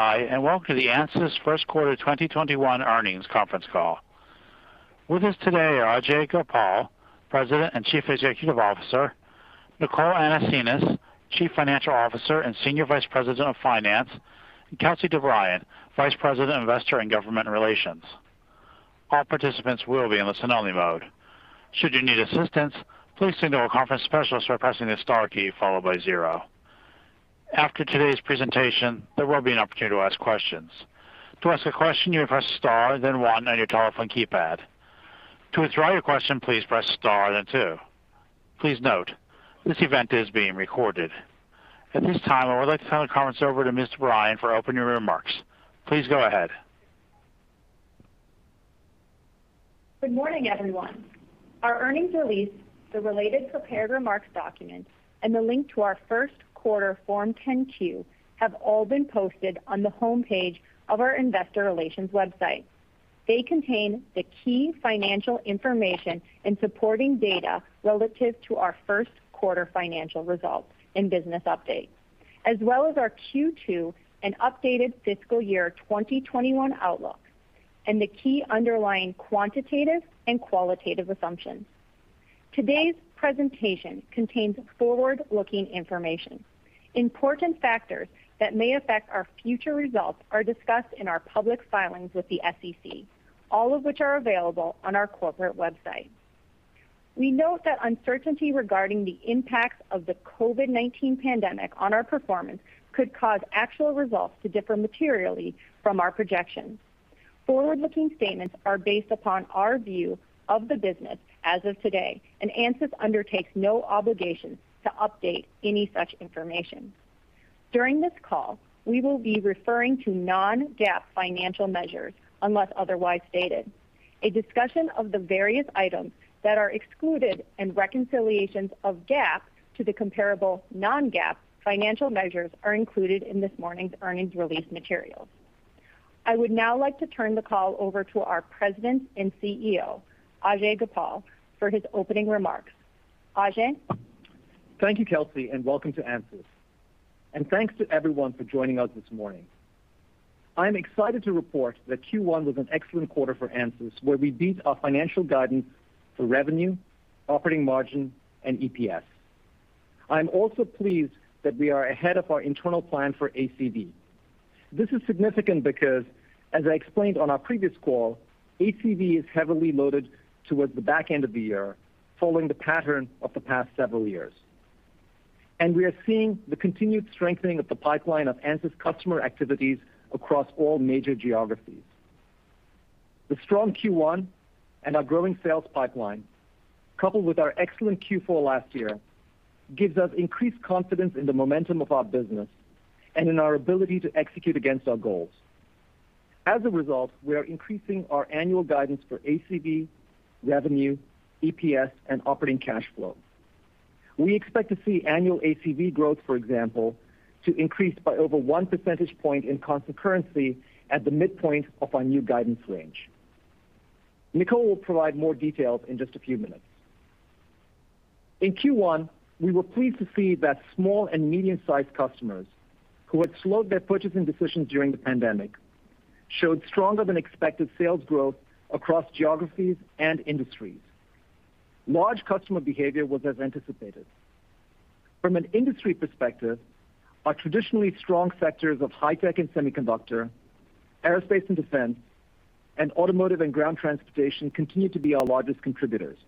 Hi, and welcome to the Ansys first quarter 2021 earnings conference call. With us today are Ajei Gopal, President and Chief Executive Officer, Nicole Anasenes, Chief Financial Officer and Senior Vice President of Finance, and Kelsey DeBriyn, Vice President, Investor Relations and Government Affairs. All participants will be in listen-only mode. Should you need assistance, please signal a conference specialist by pressing the star key followed by zero. After today's presentation, there will be an opportunity to ask questions. To ask a question, you press star, then one on your telephone keypad. To withdraw your question, please press star, then two. Please note, this event is being recorded. At this time, I would like to turn the conference over to Ms. DeBriyn for opening remarks. Please go ahead. Good morning, everyone. Our earnings release, the related prepared remarks document, and the link to our first quarter Form 10-Q have all been posted on the homepage of our investor relations website. They contain the key financial information and supporting data relative to our first quarter financial results and business updates, as well as our Q2 and updated fiscal year 2021 outlook, and the key underlying quantitative and qualitative assumptions. Today's presentation contains forward-looking information. Important factors that may affect our future results are discussed in our public filings with the SEC, all of which are available on our corporate website. We note that uncertainty regarding the impacts of the COVID-19 pandemic on our performance could cause actual results to differ materially from our projections. Forward-looking statements are based upon our view of the business as of today. Ansys undertakes no obligation to update any such information. During this call, we will be referring to non-GAAP financial measures, unless otherwise stated. A discussion of the various items that are excluded and reconciliations of GAAP to the comparable non-GAAP financial measures are included in this morning's earnings release materials. I would now like to turn the call over to our President and CEO, Ajei Gopal, for his opening remarks. Ajei? Thank you, Kelsey, and welcome to Ansys. Thanks to everyone for joining us this morning. I'm excited to report that Q1 was an excellent quarter for Ansys, where we beat our financial guidance for revenue, operating margin, and EPS. I'm also pleased that we are ahead of our internal plan for ACV. This is significant because, as I explained on our previous call, ACV is heavily loaded towards the back end of the year, following the pattern of the past several years. We are seeing the continued strengthening of the pipeline of Ansys customer activities across all major geographies. The strong Q1 and our growing sales pipeline, coupled with our excellent Q4 last year, gives us increased confidence in the momentum of our business and in our ability to execute against our goals. As a result, we are increasing our annual guidance for ACV, revenue, EPS, and operating cash flow. We expect to see annual ACV growth, for example, to increase by over one percentage point in constant currency at the midpoint of our new guidance range. Nicole will provide more details in just a few minutes. In Q1, we were pleased to see that small and medium-sized customers who had slowed their purchasing decisions during the pandemic showed stronger than expected sales growth across geographies and industries. Large customer behavior was as anticipated. From an industry perspective, our traditionally strong sectors of high tech and semiconductor, aerospace and defense, and automotive and ground transportation continue to be our largest contributors.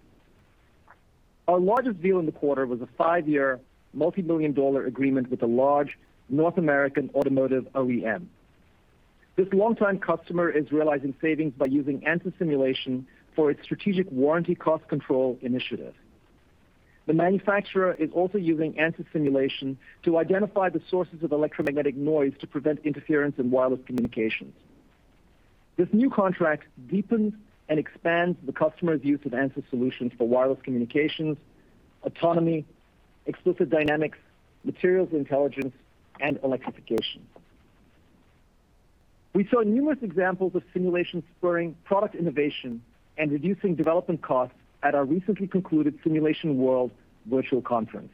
Our largest deal in the quarter was a five-year, multimillion-dollar agreement with a large North American automotive OEM. This longtime customer is realizing savings by using Ansys simulation for its strategic warranty cost control initiative. The manufacturer is also using Ansys simulation to identify the sources of electromagnetic noise to prevent interference in wireless communications. This new contract deepens and expands the customer's use of Ansys solutions for wireless communications, autonomy, explicit dynamics, materials intelligence, and electrification. We saw numerous examples of simulation spurring product innovation and reducing development costs at our recently concluded Simulation World virtual conference.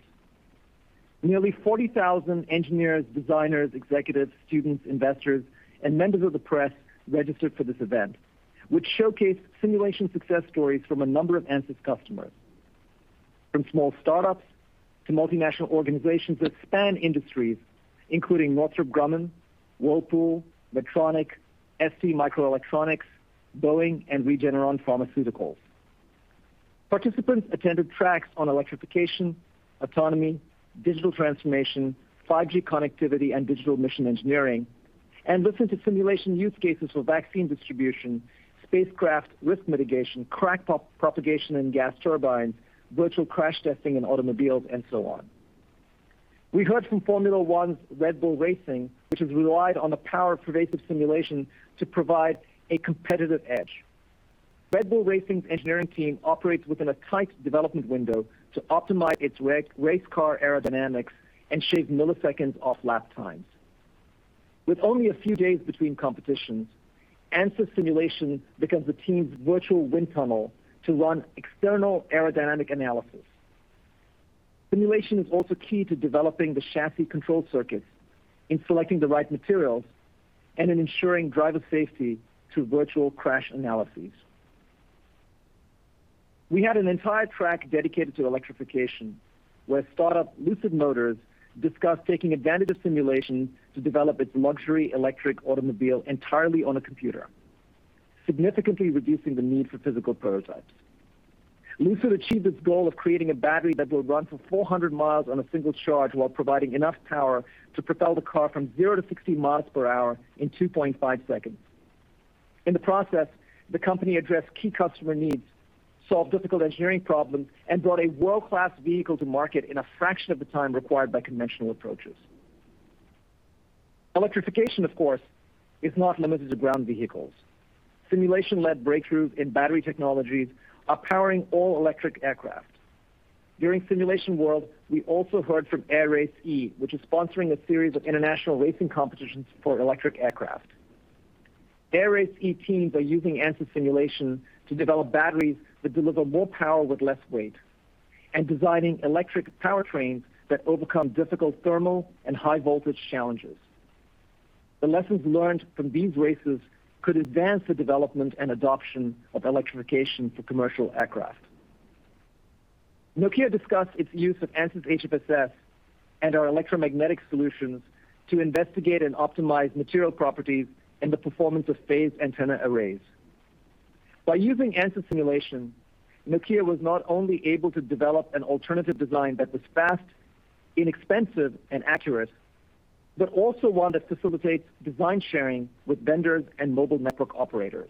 Nearly 40,000 engineers, designers, executives, students, investors, and members of the press registered for this event, which showcased simulation success stories from a number of Ansys customers, from small startups to multinational organizations that span industries, including Northrop Grumman, Whirlpool, Medtronic, STMicroelectronics, Boeing, and Regeneron Pharmaceuticals. Participants attended tracks on electrification, autonomy, digital transformation, 5G connectivity, and digital mission engineering, and listened to simulation use cases for vaccine distribution, spacecraft risk mitigation, crack propagation in gas turbines, virtual crash testing in automobiles, and so on. We heard from Formula One's Red Bull Racing, which has relied on the power of pervasive simulation to provide a competitive edge. Red Bull Racing's engineering team operates within a tight development window to optimize its race car aerodynamics and shave milliseconds off lap times. With only a few days between competitions, Ansys simulation becomes the team's virtual wind tunnel to run external aerodynamic analysis. Simulation is also key to developing the chassis control circuits, in selecting the right materials, and in ensuring driver safety through virtual crash analyses. We had an entire track dedicated to electrification, where startup Lucid Motors discussed taking advantage of simulation to develop its luxury electric automobile entirely on a computer, significantly reducing the need for physical prototypes. Lucid achieved its goal of creating a battery that will run for 400 miles on a single charge while providing enough power to propel the car from zero to 60 miles per hour in 2.5 seconds. In the process, the company addressed key customer needs, solved difficult engineering problems, and brought a world-class vehicle to market in a fraction of the time required by conventional approaches. Electrification, of course, is not limited to ground vehicles. Simulation-led breakthroughs in battery technologies are powering all-electric aircraft. During Simulation World, we also heard from Air Race E, which is sponsoring a series of international racing competitions for electric aircraft. Air Race E teams are using Ansys simulation to develop batteries that deliver more power with less weight, and designing electric powertrains that overcome difficult thermal and high-voltage challenges. The lessons learned from these races could advance the development and adoption of electrification for commercial aircraft. Nokia discussed its use of Ansys HFSS and our electromagnetic solutions to investigate and optimize material properties and the performance of phase antenna arrays. By using Ansys simulation, Nokia was not only able to develop an alternative design that was fast, inexpensive, and accurate, but also one that facilitates design sharing with vendors and mobile network operators.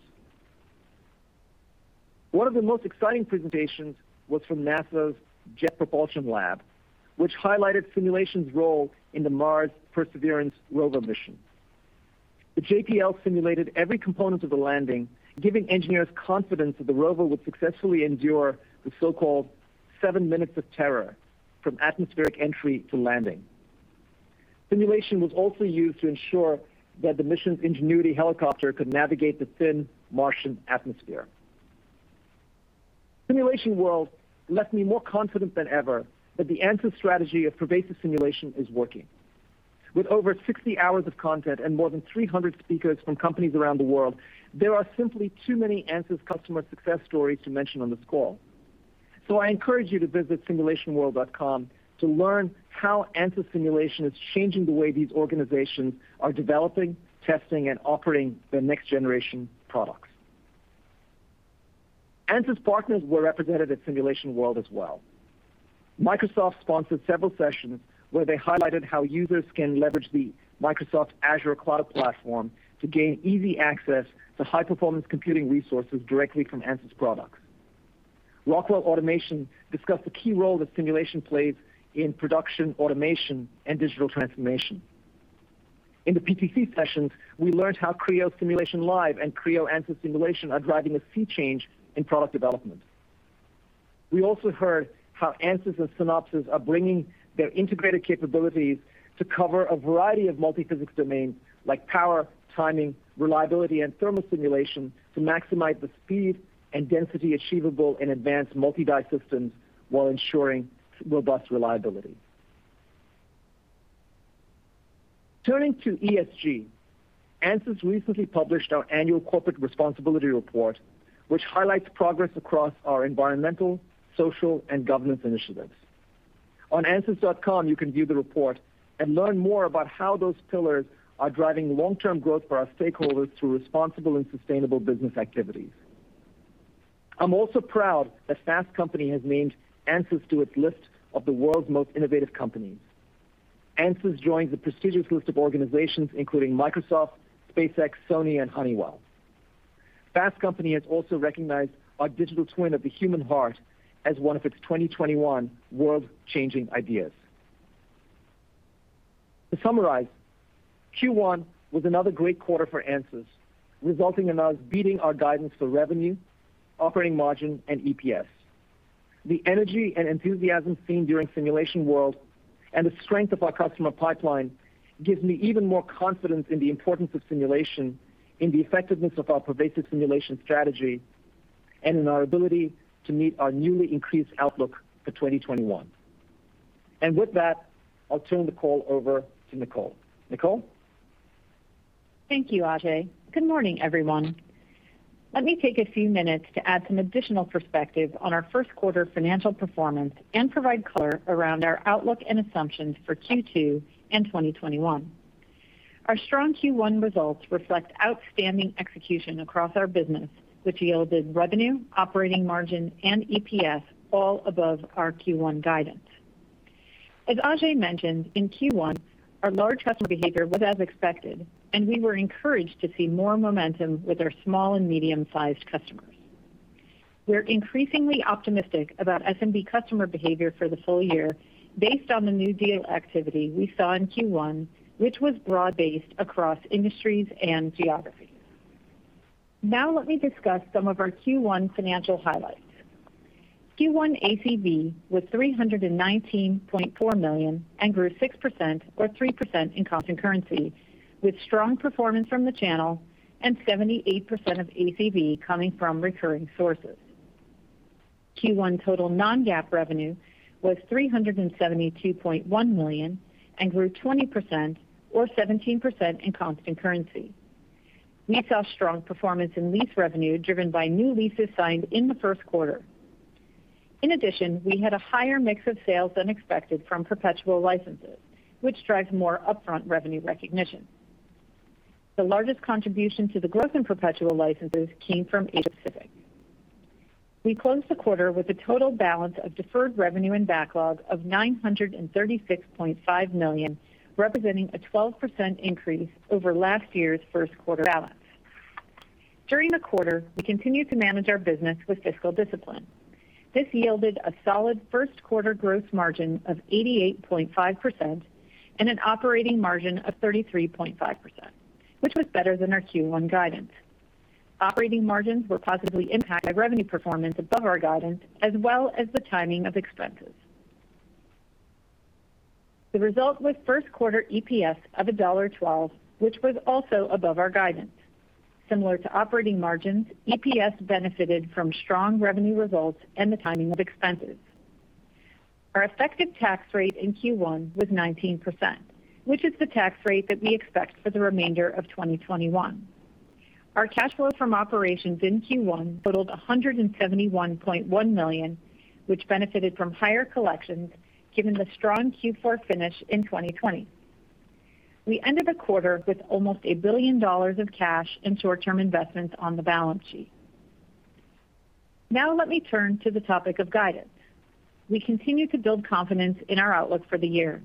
One of the most exciting presentations was from NASA's Jet Propulsion Lab, which highlighted simulation's role in the Mars Perseverance Rover Mission. The JPL simulated every component of the landing, giving engineers confidence that the rover would successfully endure the so-called seven minutes of terror from atmospheric entry to landing. Simulation was also used to ensure that the mission's Ingenuity helicopter could navigate the thin Martian atmosphere. Simulation World left me more confident than ever that the Ansys strategy of pervasive simulation is working. With over 60 hours of content and more than 300 speakers from companies around the world, there are simply too many Ansys customer success stories to mention on this call. I encourage you to visit simulationworld.com to learn how Ansys simulation is changing the way these organizations are developing, testing, and operating their next-generation products. Ansys partners were represented at Simulation World as well. Microsoft sponsored several sessions where they highlighted how users can leverage the Microsoft Azure Cloud platform to gain easy access to high-performance computing resources directly from Ansys products. Rockwell Automation discussed the key role that simulation plays in production automation and digital transformation. In the PTC sessions, we learned how Creo Simulation Live and Creo Ansys Simulation are driving a sea change in product development. We also heard how Ansys and Synopsys are bringing their integrated capabilities to cover a variety of multiphysics domains like power, timing, reliability, and thermal simulation to maximize the speed and density achievable in advanced multi-die systems while ensuring robust reliability. Turning to ESG, Ansys recently published our annual corporate responsibility report, which highlights progress across our environmental, social, and governance initiatives. On Ansys.com, you can view the report and learn more about how those pillars are driving long-term growth for our stakeholders through responsible and sustainable business activities. I'm also proud that Fast Company has named Ansys to its list of the world's most innovative companies. Ansys joins a prestigious list of organizations including Microsoft, SpaceX, Sony, and Honeywell. Fast Company has also recognized our digital twin of the human heart as one of its 2021 world-changing ideas. To summarize, Q1 was another great quarter for Ansys, resulting in us beating our guidance for revenue, operating margin, and EPS. The energy and enthusiasm seen during Simulation World and the strength of our customer pipeline gives me even more confidence in the importance of simulation, in the effectiveness of our pervasive simulation strategy, and in our ability to meet our newly increased outlook for 2021. With that, I'll turn the call over to Nicole. Nicole? Thank you, Ajei. Good morning, everyone. Let me take a few minutes to add some additional perspective on our first quarter financial performance and provide color around our outlook and assumptions for Q2 and 2021. Our strong Q1 results reflect outstanding execution across our business, which yielded revenue, operating margin, and EPS all above our Q1 guidance. As Ajei mentioned, in Q1, our large customer behavior was as expected, and we were encouraged to see more momentum with our SMB customers. We're increasingly optimistic about SMB customer behavior for the full year based on the new deal activity we saw in Q1, which was broad-based across industries and geographies. Now let me discuss some of our Q1 financial highlights. Q1 ACV was $319.4 million and grew 6%, or 3% in constant currency, with strong performance from the channel, and 78% of ACV coming from recurring sources. Q1 total non-GAAP revenue was $372.1 million and grew 20% or 17% in constant currency. We saw strong performance in lease revenue driven by new leases signed in the first quarter. In addition, we had a higher mix of sales than expected from perpetual licenses, which drives more upfront revenue recognition. The largest contribution to the growth in perpetual licenses came from Asia Pacific. We closed the quarter with a total balance of deferred revenue and backlog of $936.5 million, representing a 12% increase over last year's first quarter balance. During the quarter, we continued to manage our business with fiscal discipline. This yielded a solid first quarter gross margin of 88.5% and an operating margin of 33.5%, which was better than our Q1 guidance. Operating margins were positively impacted by revenue performance above our guidance, as well as the timing of expenses. The result was first quarter EPS of $1.12, which was also above our guidance. Similar to operating margins, EPS benefited from strong revenue results and the timing of expenses. Our effective tax rate in Q1 was 19%, which is the tax rate that we expect for the remainder of 2021. Our cash flow from operations in Q1 totaled $171.1 million, which benefited from higher collections given the strong Q4 finish in 2020. We ended the quarter with almost $1 billion of cash and short-term investments on the balance sheet. Now let me turn to the topic of guidance. We continue to build confidence in our outlook for the year.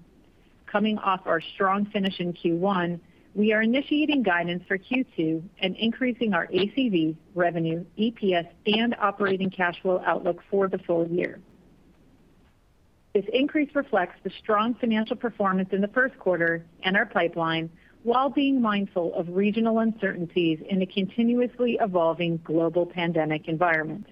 Coming off our strong finish in Q1, we are initiating guidance for Q2 and increasing our ACV, revenue, EPS, and operating cash flow outlook for the full year. This increase reflects the strong financial performance in the first quarter and our pipeline, while being mindful of regional uncertainties in a continuously evolving global pandemic environment.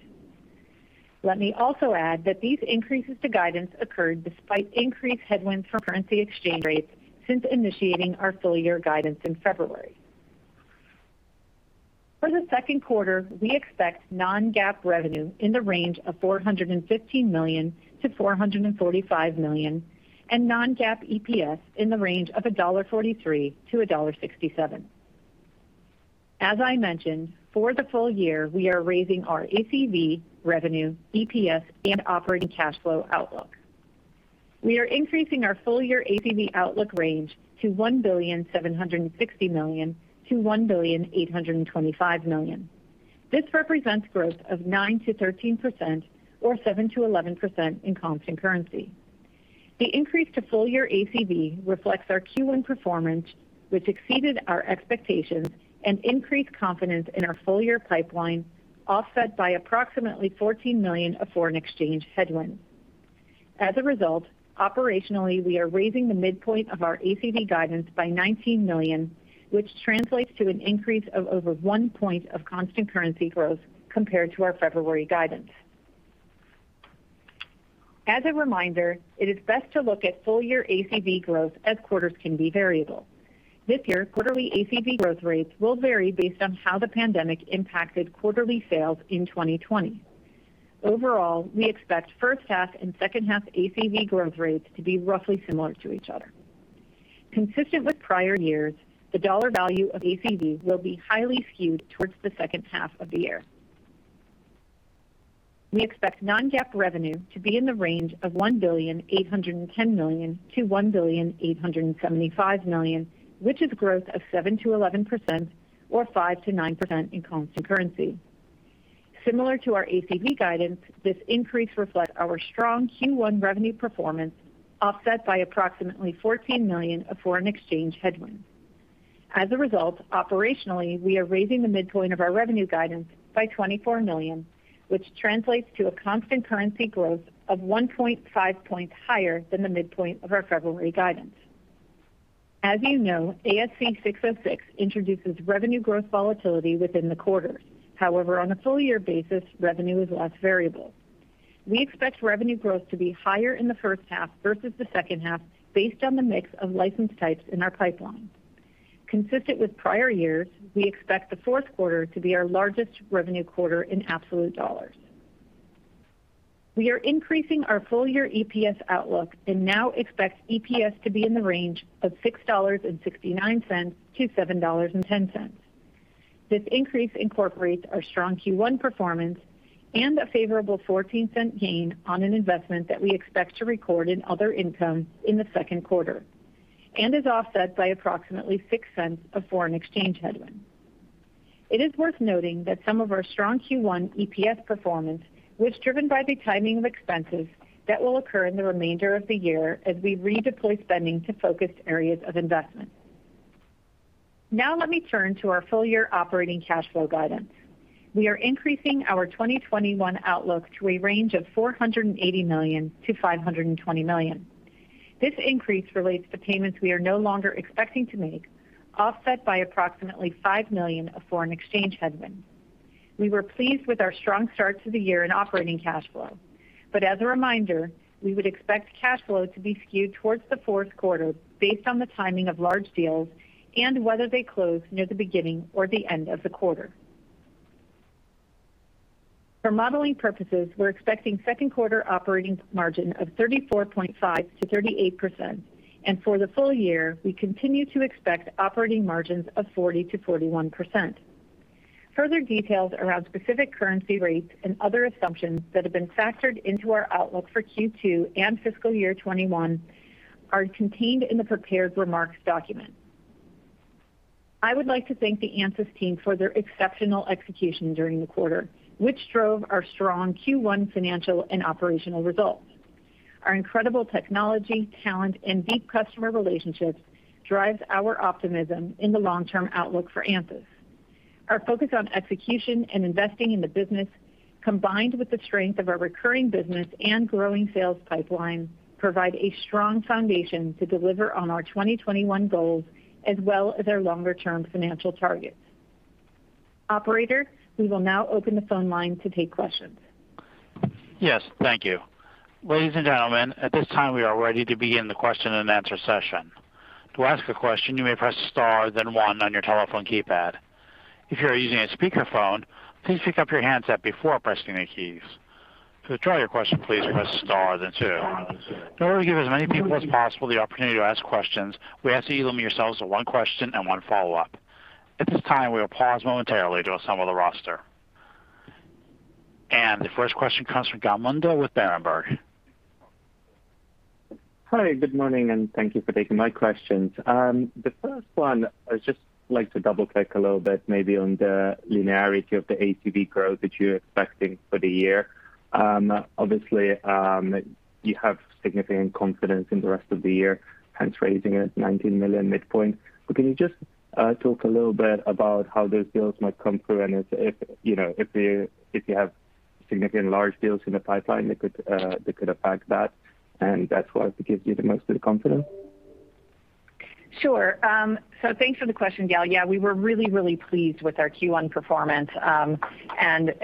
Let me also add that these increases to guidance occurred despite increased headwinds from currency exchange rates since initiating our full-year guidance in February. For the second quarter, we expect non-GAAP revenue in the range of $415 million-$445 million and non-GAAP EPS in the range of $1.43-$1.67. As I mentioned, for the full year, we are raising our ACV, revenue, EPS, and operating cash flow outlook. We are increasing our full-year ACV outlook range to $1.76 billion-$1.825 billion. This represents growth of 9%-13% or 7%-11% in constant currency. The increase to full-year ACV reflects our Q1 performance, which exceeded our expectations and increased confidence in our full-year pipeline, offset by approximately $14 million of foreign exchange headwinds. Operationally, we are raising the midpoint of our ACV guidance by $19 million, which translates to an increase of over one point of constant currency growth compared to our February guidance. As a reminder, it is best to look at full-year ACV growth as quarters can be variable. This year, quarterly ACV growth rates will vary based on how the pandemic impacted quarterly sales in 2020. We expect first half and second half ACV growth rates to be roughly similar to each other. Consistent with prior years, the dollar value of ACV will be highly skewed towards the second half of the year. We expect non-GAAP revenue to be in the range of $1,810,000,000-$1,875,000,000, which is growth of 7%-11% or 5%-9% in constant currency. Similar to our ACV guidance, this increase reflects our strong Q1 revenue performance, offset by approximately $14 million of foreign exchange headwinds. As a result, operationally, we are raising the midpoint of our revenue guidance by $24 million, which translates to a constant currency growth of 1.5 points higher than the midpoint of our February guidance. As you know, ASC 606 introduces revenue growth volatility within the quarters. However, on a full-year basis, revenue is less variable. We expect revenue growth to be higher in the first half versus the second half based on the mix of license types in our pipeline. Consistent with prior years, we expect the fourth quarter to be our largest revenue quarter in absolute dollars. We are increasing our full-year EPS outlook and now expect EPS to be in the range of $6.69 to $7.10. This increase incorporates our strong Q1 performance and a favorable $0.14 gain on an investment that we expect to record in other income in the second quarter and is offset by approximately $0.06 of foreign exchange headwinds. It is worth noting that some of our strong Q1 EPS performance was driven by the timing of expenses that will occur in the remainder of the year as we redeploy spending to focused areas of investment. Let me turn to our full-year operating cash flow guidance. We are increasing our 2021 outlook to a range of $480 million-$520 million. This increase relates to payments we are no longer expecting to make, offset by approximately $5 million of foreign exchange headwinds. We were pleased with our strong start to the year in operating cash flow. As a reminder, we would expect cash flow to be skewed towards the fourth quarter based on the timing of large deals and whether they close near the beginning or the end of the quarter. For modeling purposes, we're expecting second quarter operating margin of 34.5%-38%, and for the full year, we continue to expect operating margins of 40%-41%. Further details around specific currency rates and other assumptions that have been factored into our outlook for Q2 and fiscal year 2021 are contained in the prepared remarks document. I would like to thank the Ansys team for their exceptional execution during the quarter, which drove our strong Q1 financial and operational results. Our incredible technology, talent, and deep customer relationships drives our optimism in the long-term outlook for Ansys. Our focus on execution and investing in the business, combined with the strength of our recurring business and growing sales pipeline, provide a strong foundation to deliver on our 2021 goals as well as our longer-term financial targets. Operator, we will now open the phone line to take questions. Yes. Thank you. Ladies and gentlemen, at this time, we are ready to begin the question-and-answer session. To ask a question, you may press star then one on your telephone keypad. If you're using a speakerphone, please pick up your handset before pressing the keys. To withdraw your question, please press star then two. In order to give as many people as possible the opportunity to ask questions, we ask that you limit yourselves to one question and one follow-up. At this time, we will pause momentarily to assemble the roster. The first question comes from Gal Munda with Berenberg. Hi. Good morning. Thank you for taking my questions. The first one, I would just like to double-check a little bit maybe on the linearity of the ACV growth that you're expecting for the year. Obviously, you have significant confidence in the rest of the year, hence raising it $19 million midpoint. Can you just talk a little bit about how those deals might come through and if you have significant large deals in the pipeline that could affect that, and that's what gives you the most of the confidence? Sure. Thanks for the question, Gal. Yeah, we were really, really pleased with our Q1 performance, and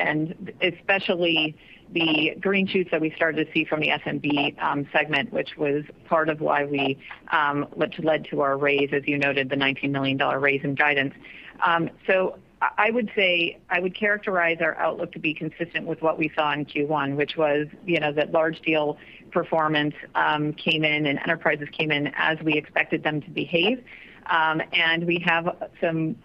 especially the green shoots that we started to see from the SMB segment, which led to our raise, as you noted, the $19 million raise in guidance. I would characterize our outlook to be consistent with what we saw in Q1, which was that large deal performance came in and enterprises came in as we expected them to behave. We have some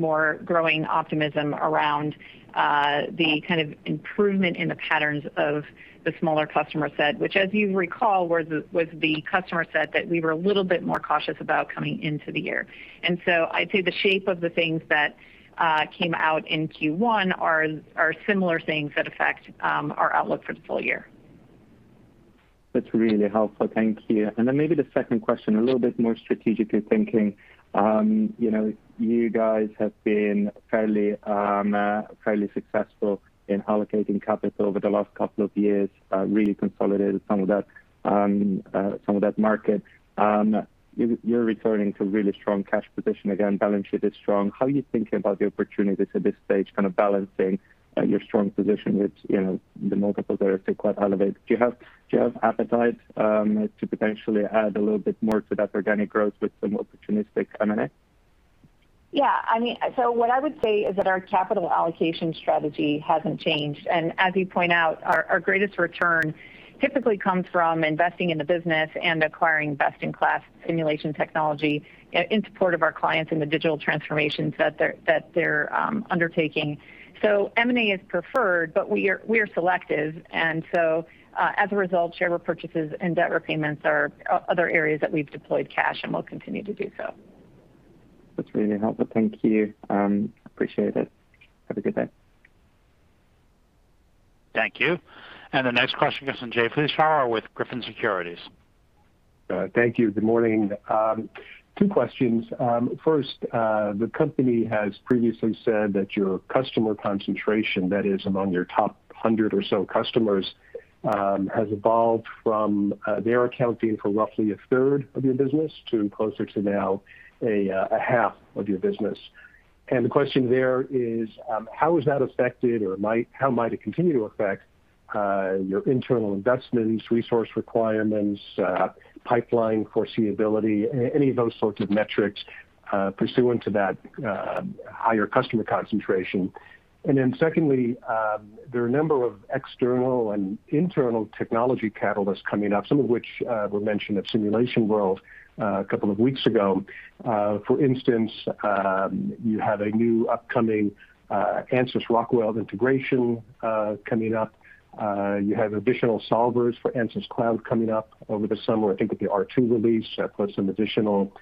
more growing optimism around the kind of improvement in the patterns of the smaller customer set, which as you recall, was the customer set that we were a little bit more cautious about coming into the year. I'd say the shape of the things that came out in Q1 are similar things that affect our outlook for the full year. That's really helpful. Thank you. Then maybe the second question, a little bit more strategically thinking. You guys have been fairly successful in allocating capital over the last couple of years, really consolidated some of that market. You're returning to really strong cash position. Again, balance sheet is strong. How are you thinking about the opportunities at this stage, kind of balancing your strong position with the multiples that are still quite elevated? Do you have appetite to potentially add a little bit more to that organic growth with some opportunistic M&A? Yeah. What I would say is that our capital allocation strategy hasn't changed. As you point out, our greatest return typically comes from investing in the business and acquiring best-in-class simulation technology in support of our clients in the digital transformations that they're undertaking. M&A is preferred, but we are selective. As a result, share repurchases and debt repayments are other areas that we've deployed cash and will continue to do so. That's really helpful. Thank you. Appreciate it. Have a good day. Thank you. The next question comes from Jay Vleeschhouwer with Griffin Securities. Thank you. Good morning. Two questions. First, the company has previously said that your customer concentration, that is among your top 100 or so customers, has evolved from their accounting for roughly a third of your business to closer to now a half of your business. The question there is, how has that affected or how might it continue to affect your internal investments, resource requirements, pipeline foreseeability, any of those sorts of metrics pursuant to that higher customer concentration? S econdly, there are a number of external and internal technology catalysts coming up, some of which were mentioned at Simulation World a couple of weeks ago. For instance, you have a new upcoming Ansys Rockwell integration coming up. You have additional solvers for Ansys Cloud coming up over the summer, I think with the R2 release, plus some additional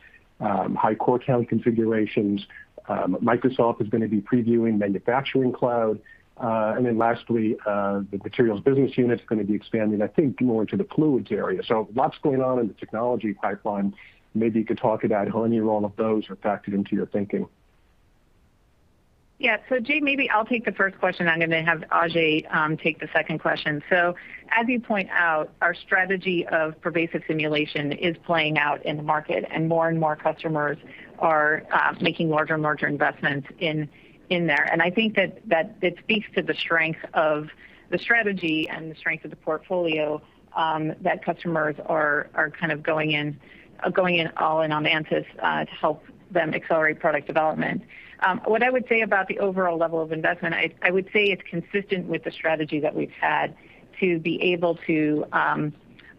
high core count configurations. Microsoft is going to be previewing Manufacturing Cloud. Lastly, the materials business unit is going to be expanding, I think, more into the fluids area. Lots going on in the technology pipeline. Maybe you could talk about how any or all of those are factored into your thinking. Yeah. Jay, maybe I'll take the first question, then I'm going to have Ajei take the second question. As you point out, our strategy of pervasive simulation is playing out in the market, and more and more customers are making larger and larger investments in there. I think that it speaks to the strength of the strategy and the strength of the portfolio that customers are going all in on Ansys to help them accelerate product development. What I would say about the overall level of investment, I would say it's consistent with the strategy that we've had to be able to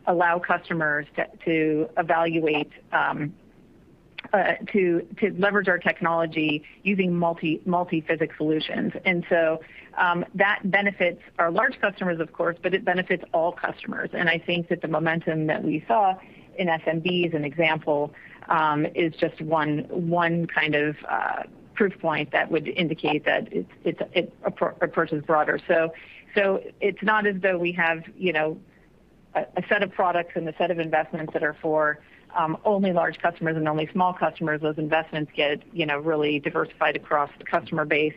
allow customers to leverage our technology using multiphysics solutions. That benefits our large customers, of course, but it benefits all customers. I think that the momentum that we saw in SMB as an example, is just one proof point that would indicate that it purses broader. It's not as though we have a set of products and a set of investments that are for only large customers and only small customers. Those investments get really diversified across the customer base.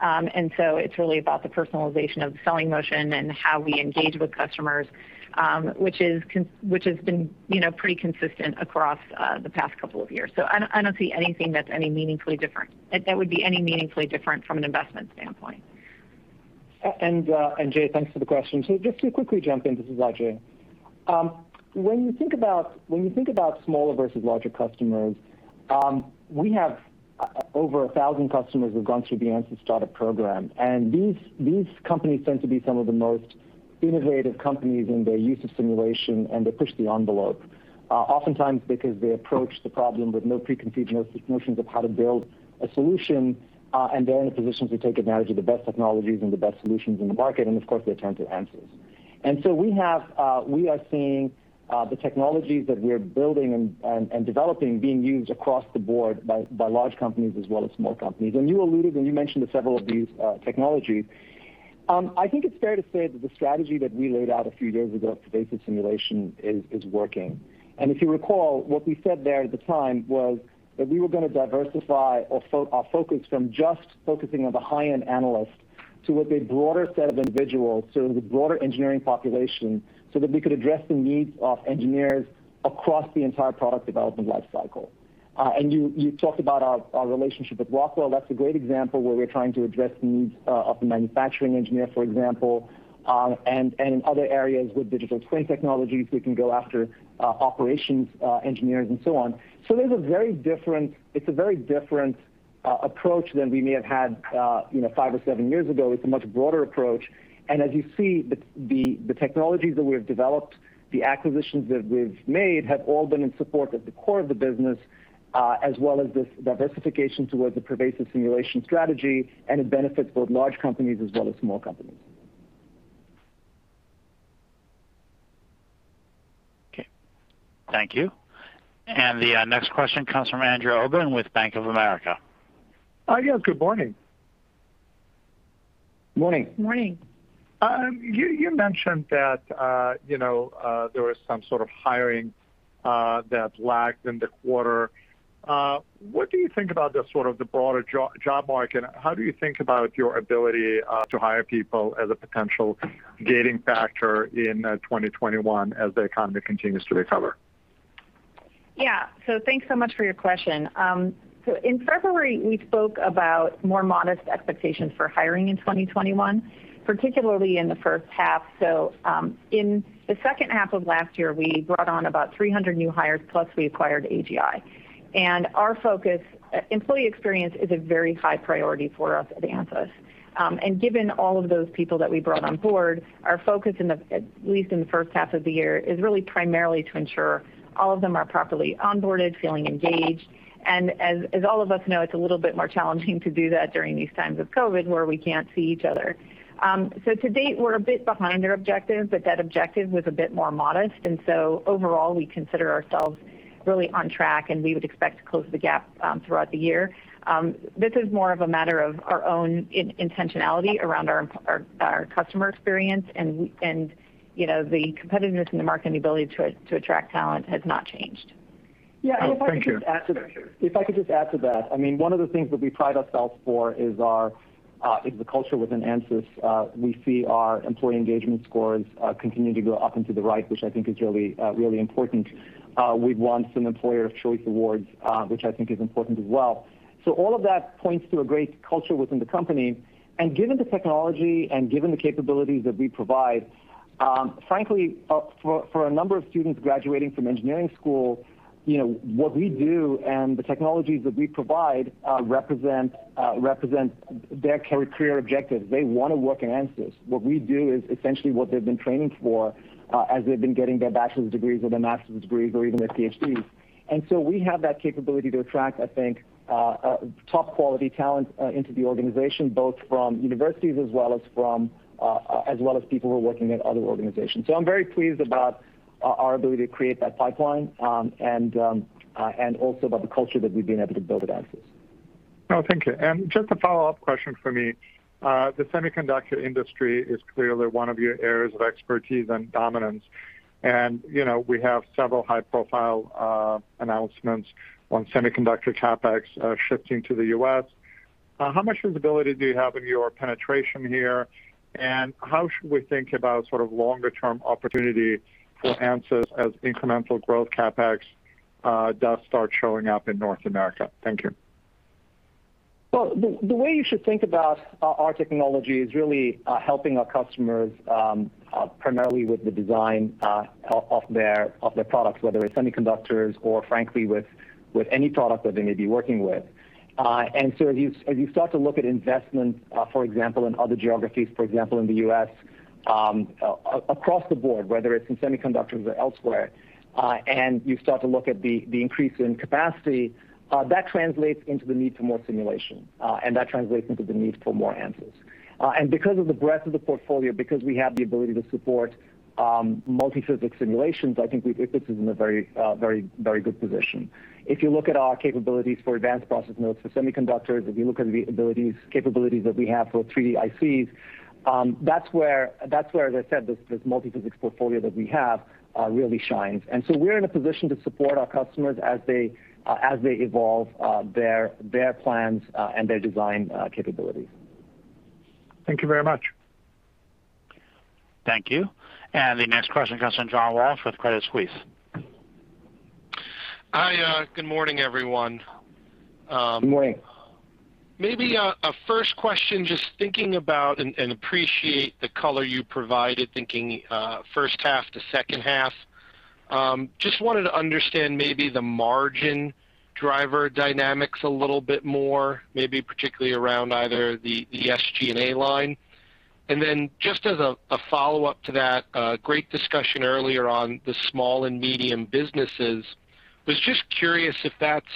It's really about the personalization of the selling motion and how we engage with customers, which has been pretty consistent across the past couple of years. I don't see anything that would be any meaningfully different from an investment standpoint. Jay, thanks for the question. Just to quickly jump in, this is Ajei. When you think about smaller versus larger customers, we have over 1,000 customers who have gone through the Ansys Startup Program, and these companies tend to be some of the most innovative companies in their use of simulation, and they push the envelope. Oftentimes because they approach the problem with no preconceptions, notions of how to build a solution, and they're in a position to take advantage of the best technologies and the best solutions in the market, and of course, they turn to Ansys. We are seeing the technologies that we are building and developing being used across the board by large companies as well as small companies. You alluded, when you mentioned several of these technologies. I think it's fair to say that the strategy that we laid out a few years ago, pervasive simulation, is working. If you recall, what we said there at the time was that we were going to diversify our focus from just focusing on the high-end analyst to what a broader set of individuals, so the broader engineering population, so that we could address the needs of engineers across the entire product development life cycle. You talked about our relationship with Rockwell. That's a great example where we're trying to address the needs of the manufacturing engineer, for example, and in other areas with digital twin technologies, we can go after operations engineers and so on. It's a very different approach than we may have had five or seven years ago. It's a much broader approach. As you see, the technologies that we've developed, the acquisitions that we've made have all been in support of the core of the business, as well as this diversification towards the pervasive simulation strategy, and it benefits both large companies as well as small companies. Okay. Thank you. The next question comes from Andrew Obin with Bank of America. Oh, yeah. Good morning. Morning. Morning. You mentioned that there was some sort of hiring that lagged in the quarter. What do you think about the broader job market? How do you think about your ability to hire people as a potential gating factor in 2021 as the economy continues to recover? Yeah. Thanks so much for your question. In February, we spoke about more modest expectations for hiring in 2021, particularly in the first half. In the second half of last year, we brought on about 300 new hires, plus we acquired AGI. Our focus, employee experience is a very high priority for us at Ansys. Given all of those people that we brought on board, our focus at least in the first half of the year, is really primarily to ensure all of them are properly onboarded, feeling engaged. As all of us know, it's a little bit more challenging to do that during these times of COVID, where we can't see each other. To date, we're a bit behind our objective, but that objective was a bit more modest. Overall, we consider ourselves really on track, and we would expect to close the gap throughout the year. This is more of a matter of our own intentionality around our customer experience, and the competitiveness in the market, and the ability to attract talent has not changed. Yeah. Thank you. If I could just add to that. One of the things that we pride ourselves for is the culture within Ansys. We see our employee engagement scores continue to go up and to the right, which I think is really important. We've won some Employer of Choice awards, which I think is important as well. All of that points to a great culture within the company, and given the technology and given the capabilities that we provide, frankly, for a number of students graduating from engineering school, what we do and the technologies that we provide represent their career objectives. They want to work at Ansys. What we do is essentially what they've been training for as they've been getting their bachelor's degrees or their master's degrees, or even their PhDs. We have that capability to attract, I think, top quality talent into the organization, both from universities as well as people who are working at other organizations. I'm very pleased about our ability to create that pipeline, and also about the culture that we've been able to build at Ansys. Oh, thank you. Just a follow-up question from me. The semiconductor industry is clearly one of your areas of expertise and dominance. We have several high-profile announcements on semiconductor CapEx shifting to the U.S. How much visibility do you have in your penetration here, and how should we think about longer-term opportunity for Ansys as incremental growth CapEx does start showing up in North America? Thank you. The way you should think about our technology is really helping our customers, primarily with the design of their products, whether it's semiconductors or frankly, with any product that they may be working with. As you start to look at investments, for example, in other geographies, for example, in the U.S., across the board, whether it's in semiconductors or elsewhere, and you start to look at the increase in capacity, that translates into the need for more simulation, and that translates into the need for more Ansys. Because of the breadth of the portfolio, because we have the ability to support multiphysics simulations, I think we put this in a very good position. If you look at our capabilities for advanced process nodes for semiconductors, if you look at the capabilities that we have for 3D ICs, that's where, as I said, this multiphysics portfolio that we have really shines. We're in a position to support our customers as they evolve their plans and their design capabilities. Thank you very much. Thank you. The next question comes from John Walsh with Credit Suisse. Hi. Good morning, everyone. Good morning. Maybe a first question, just thinking about, and appreciate the color you provided, thinking first half to second half. Just wanted to understand maybe the margin driver dynamics a little bit more, maybe particularly around either the SG&A line. Then just as a follow-up to that, great discussion earlier on the small and medium businesses. I was just curious if that's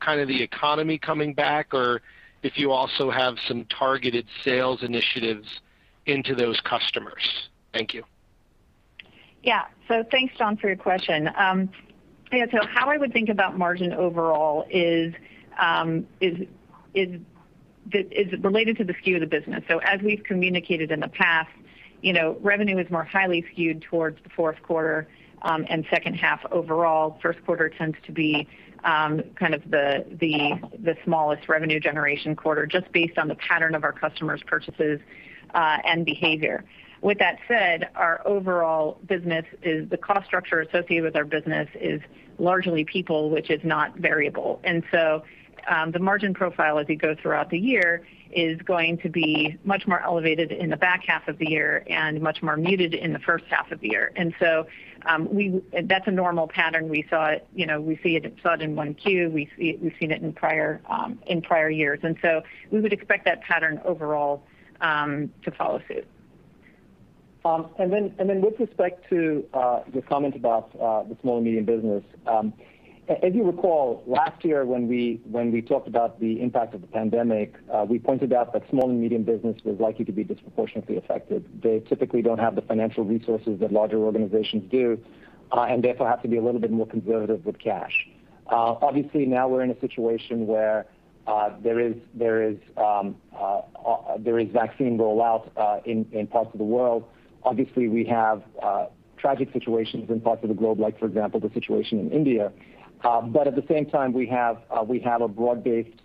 kind of the economy coming back, or if you also have some targeted sales initiatives into those customers? Thank you. Thanks, John, for your question. How I would think about margin overall is related to the skew of the business. As we've communicated in the past, revenue is more highly skewed towards the fourth quarter, and second half overall. First quarter tends to be kind of the smallest revenue generation quarter, just based on the pattern of our customers' purchases and behavior. With that said, the cost structure associated with our business is largely people, which is not variable. The margin profile as you go throughout the year, is going to be much more elevated in the back half of the year and much more muted in the first half of the year. We would expect that pattern overall to follow suit. With respect to the comment about the small and medium business. If you recall, last year when we talked about the impact of the pandemic, we pointed out that small and medium business was likely to be disproportionately affected. They typically don't have the financial resources that larger organizations do, and therefore have to be a little bit more conservative with cash. Obviously, now we're in a situation where there is vaccine rollout in parts of the world. Obviously, we have tragic situations in parts of the globe, like for example, the situation in India. At the same time, we have a broad-based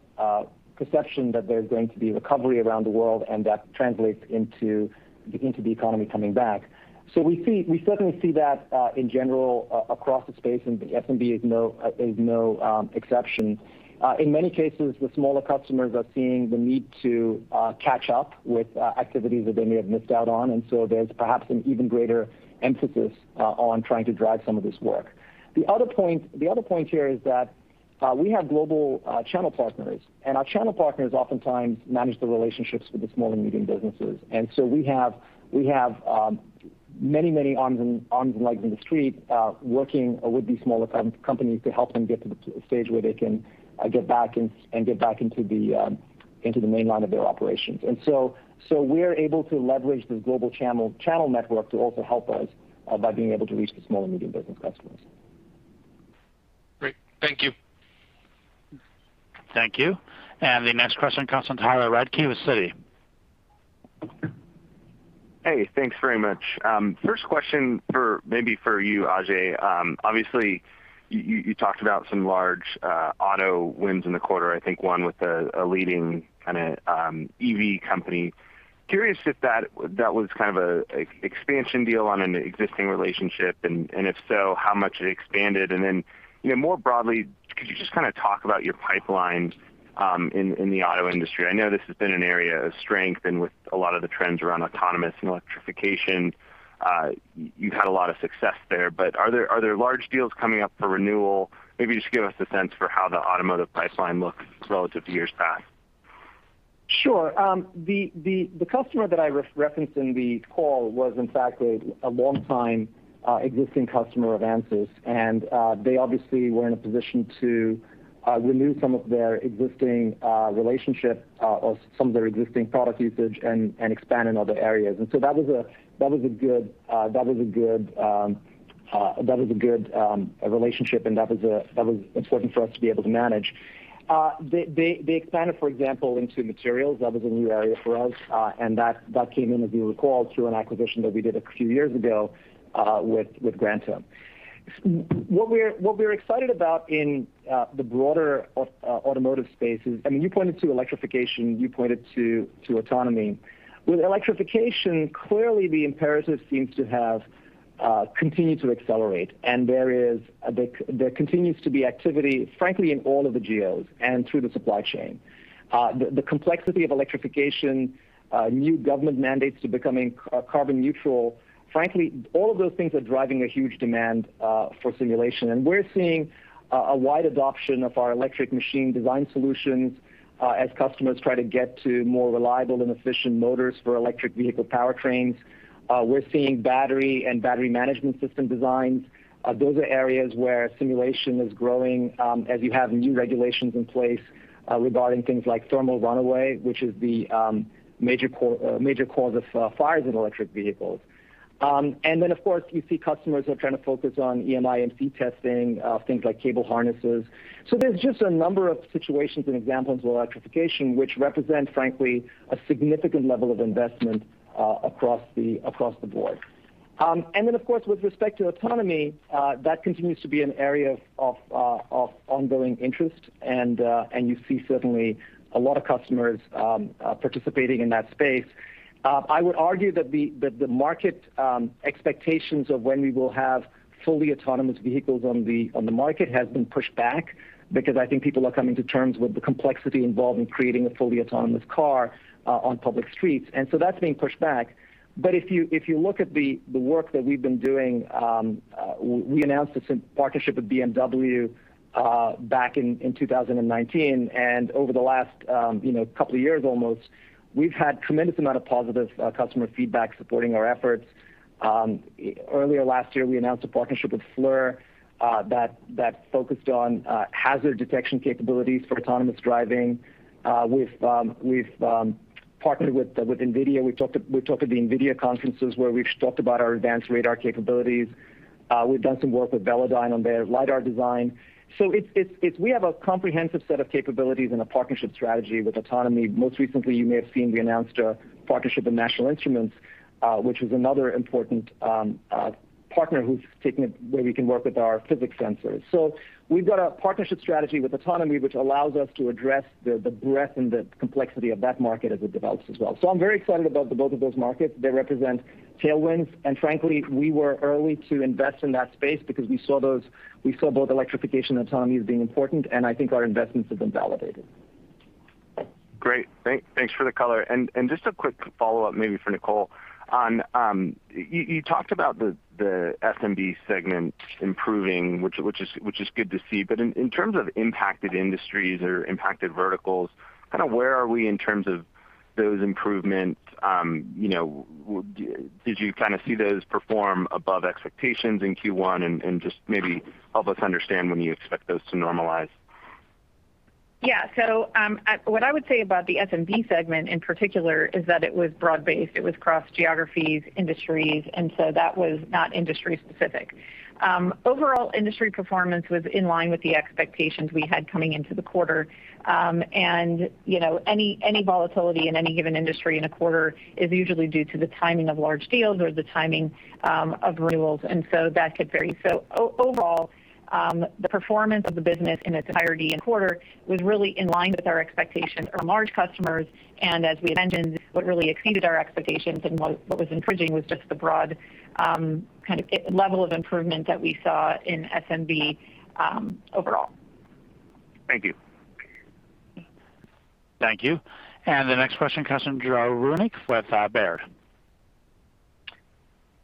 perception that there's going to be recovery around the world, and that translates into the economy coming back. We certainly see that, in general, across the space, and SMB is no exception. In many cases, the smaller customers are seeing the need to catch up with activities that they may have missed out on. There's perhaps an even greater emphasis on trying to drive some of this work. The other point here is that we have global channel partners, and our channel partners oftentimes manage the relationships with the small and medium businesses. We have many arms and legs in the street, working with these smaller companies to help them get to the stage where they can get back into the main line of their operations. We are able to leverage this global channel network to also help us by being able to reach the small and medium business customers. Great. Thank you. Thank you. The next question comes from Tyler Radke with Citi. Hey, thanks very much. First question maybe for you, Ajei. Obviously, you talked about some large auto wins in the quarter, I think one with a leading EV company. Curious if that was kind of a expansion deal on an existing relationship, if so, how much it expanded. More broadly, could you just talk about your pipeline in the auto industry? I know this has been an area of strength with a lot of the trends around autonomous and electrification, you've had a lot of success there. Are there large deals coming up for renewal? Maybe just give us a sense for how the automotive pipeline looks relative to years past. Sure. The customer that I referenced in the call was, in fact, a long-time existing customer of Ansys. They obviously were in a position to renew some of their existing relationship or some of their existing product usage and expand in other areas. So that was a good relationship, and that was important for us to be able to manage. They expanded, for example, into materials. That was a new area for us, and that came in, as you recall, through an acquisition that we did a few years ago with Granta. What we're excited about in the broader automotive space is. You pointed to electrification, you pointed to autonomy. With electrification, clearly the imperative seems to have continued to accelerate, and there continues to be activity, frankly, in all of the geos and through the supply chain. The complexity of electrification, new government mandates to becoming carbon neutral, frankly, all of those things are driving a huge demand for simulation. We're seeing a wide adoption of our electric machine design solutions as customers try to get to more reliable and efficient motors for electric vehicle powertrains. We're seeing battery and battery management system designs. Those are areas where simulation is growing as you have new regulations in place regarding things like thermal runaway, which is the major cause of fires in electric vehicles. Of course, you see customers are trying to focus on EMI/EMC testing, things like cable harnesses. There's just a number of situations and examples with electrification, which represent, frankly, a significant level of investment across the board. Of course, with respect to autonomy, that continues to be an area of ongoing interest, and you see certainly a lot of customers participating in that space. I would argue that the market expectations of when we will have fully autonomous vehicles on the market has been pushed back, because I think people are coming to terms with the complexity involved in creating a fully autonomous car on public streets. That's being pushed back. If you look at the work that we've been doing, we announced this partnership with BMW back in 2019, and over the last couple of years almost, we've had tremendous amount of positive customer feedback supporting our efforts. Earlier last year, we announced a partnership with FLIR that focused on hazard detection capabilities for autonomous driving. We've partnered with NVIDIA. We've talked at the NVIDIA conferences where we've talked about our advanced radar capabilities. We've done some work with Velodyne on their LiDAR design. We have a comprehensive set of capabilities and a partnership strategy with autonomy. Most recently, you may have seen, we announced a partnership with National Instruments, which is another important partner where we can work with our physics sensors. We've got a partnership strategy with autonomy, which allows us to address the breadth and the complexity of that market as it develops as well. I'm very excited about the both of those markets. They represent tailwinds, and frankly, we were early to invest in that space because we saw both electrification and autonomy as being important, and I think our investments have been validated. Great. Thanks for the color. Just a quick follow-up, maybe for Nicole. You talked about the SMB segment improving, which is good to see. In terms of impacted industries or impacted verticals, where are we in terms of those improvements? Did you see those perform above expectations in Q1? Just maybe help us understand when you expect those to normalize. Yeah. What I would say about the SMB segment in particular is that it was broad-based. It was across geographies, industries, and so that was not industry specific. Overall industry performance was in line with the expectations we had coming into the quarter. Any volatility in any given industry in a quarter is usually due to the timing of large deals or the timing of renewals, and so that could vary. Overall, the performance of the business in its entirety in the quarter was really in line with our expectations from large customers. As we had mentioned, what really exceeded our expectations and what was encouraging was just the broad level of improvement that we saw in SMB overall. Thank you. Thank you. The next question comes from Joe Vruwink with Baird.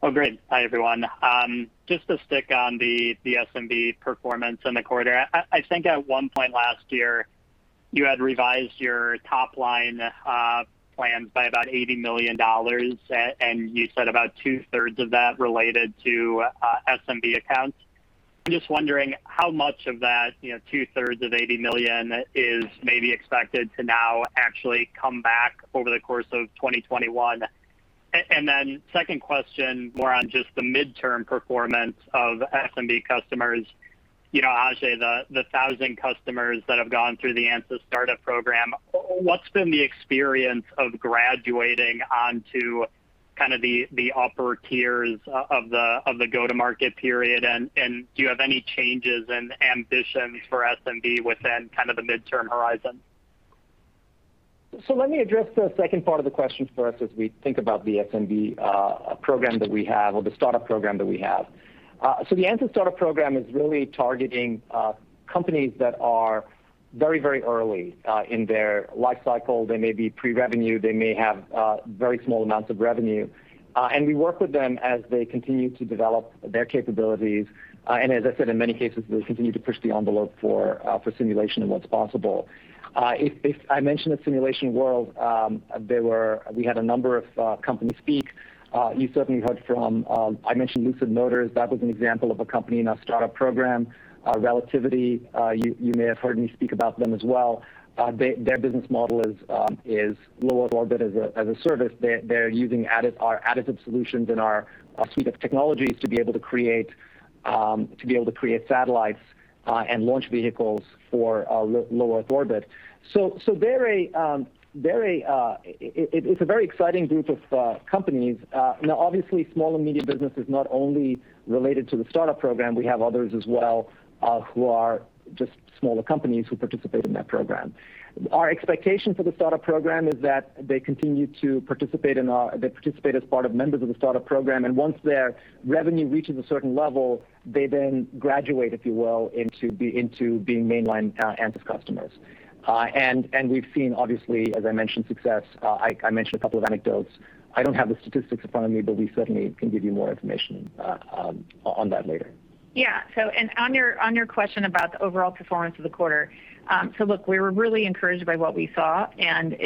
Oh, great. Hi, everyone. Just to stick on the SMB performance in the quarter. I think at one point last year, you had revised your top-line plans by about $80 million, and you said about two-thirds of that related to SMB accounts. I'm just wondering how much of that two-thirds of $80 million is maybe expected to now actually come back over the course of 2021? Second question, more on just the midterm performance of SMB customers. Ajei, the 1,000 customers that have gone through the Ansys Startup Program, what's been the experience of graduating onto the upper tiers of the go-to-market period? Do you have any changes in ambitions for SMB within the midterm horizon? Let me address the second part of the question first as we think about the SMB program that we have or the Startup Program that we have. The Ansys Startup Program is really targeting companies that are very early in their life cycle. They may be pre-revenue, they may have very small amounts of revenue. We work with them as they continue to develop their capabilities. As I said, in many cases, we'll continue to push the envelope for simulation and what's possible. I mentioned at Simulation World, we had a number of companies speak. You certainly heard. I mentioned Lucid Motors. That was an example of a company in our Startup Program. Relativity, you may have heard me speak about them as well. Their business model is low Earth orbit as a service. They're using our additive solutions and our suite of technologies to be able to create satellites and launch vehicles for low Earth orbit. It's a very exciting group of companies. Obviously, small and medium business is not only related to the Ansys Startup Program. We have others as well who are just smaller companies who participate in that program. Our expectation for the Ansys Startup Program is that they participate as part of members of the Ansys Startup Program, and once their revenue reaches a certain level, they then graduate, if you will, into being mainline Ansys customers. We've seen, obviously, as I mentioned, success. I mentioned a couple of anecdotes. I don't have the statistics in front of me, but we certainly can give you more information on that later. Yeah. On your question about the overall performance of the quarter, look, we were really encouraged by what we saw, and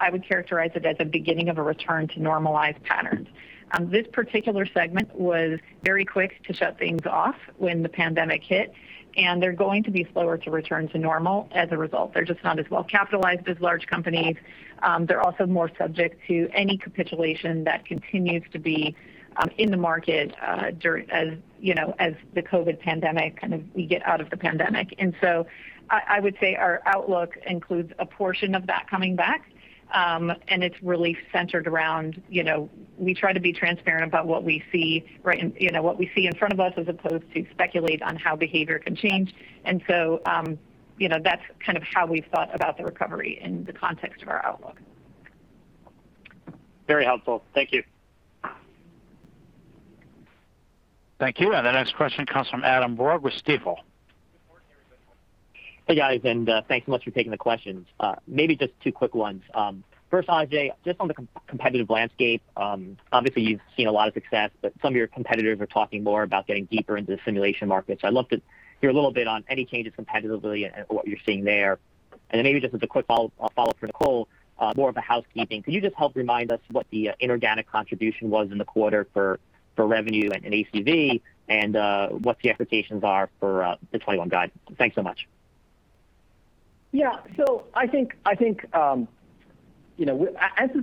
I would characterize it as a beginning of a return to normalized patterns. This particular segment was very quick to shut things off when the pandemic hit, and they're going to be slower to return to normal as a result. They're just not as well-capitalized as large companies. They're also more subject to any capitulation that continues to be in the market as we get out of the pandemic. I would say our outlook includes a portion of that coming back, and it's really centered around, we try to be transparent about what we see in front of us, as opposed to speculate on how behavior can change. That's kind of how we've thought about the recovery in the context of our outlook. Very helpful. Thank you. Thank you. The next question comes from Adam Borg with Stifel. Hey, guys, thanks so much for taking the questions. Maybe two quick ones. First, Ajei, on the competitive landscape. Obviously, you've seen a lot of success, some of your competitors are talking more about getting deeper into the simulation market. I'd love to hear a little bit on any changes competitively and what you're seeing there. Maybe as a quick follow-up for Nicole, more of a housekeeping, could you help remind us what the inorganic contribution was in the quarter for revenue and ACV and what the expectations are for the '21 guide? Thanks so much. Yeah. I think Ansys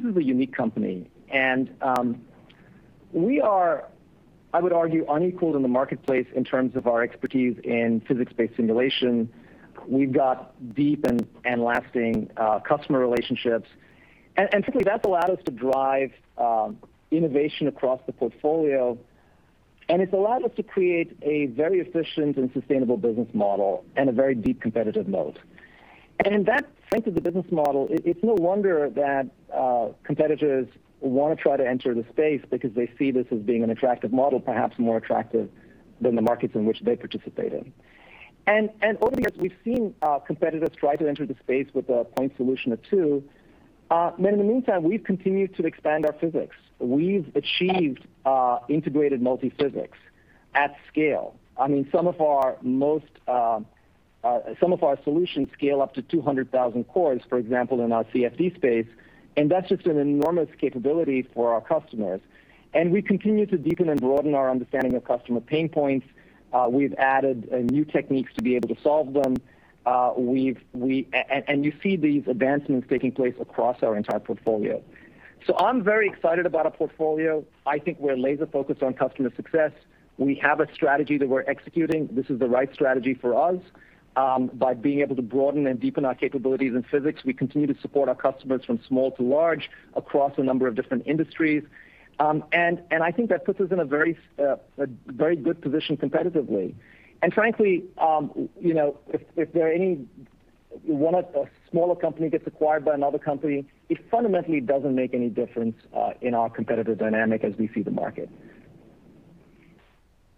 is a unique company, and we are, I would argue, unequaled in the marketplace in terms of our expertise in physics-based simulation. We've got deep and lasting customer relationships. Frankly, that's allowed us to drive innovation across the portfolio, and it's allowed us to create a very efficient and sustainable business model and a very deep competitive moat. In that strength of the business model, it's no wonder that competitors want to try to enter the space because they see this as being an attractive model, perhaps more attractive than the markets in which they participate in. Over the years, we've seen competitors try to enter the space with a point solution or two. In the meantime, we've continued to expand our physics. We've achieved integrated multiphysics at scale. Some of our solutions scale up to 200,000 cores, for example, in our CFD space, that's just an enormous capability for our customers. We continue to deepen and broaden our understanding of customer pain points. We've added new techniques to be able to solve them. You see these advancements taking place across our entire portfolio. I'm very excited about our portfolio. I think we're laser-focused on customer success. We have a strategy that we're executing. This is the right strategy for us. By being able to broaden and deepen our capabilities in physics, we continue to support our customers from small to large across a number of different industries. I think that puts us in a very good position competitively. Frankly, if a smaller company gets acquired by another company, it fundamentally doesn't make any difference in our competitive dynamic as we see the market.